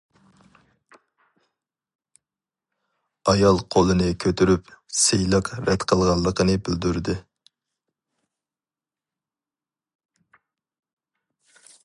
ئايال قولىنى كۆتۈرۈپ سىيلىق رەت قىلغانلىقىنى بىلدۈردى.